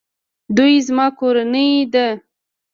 دوی زما کورنۍ ده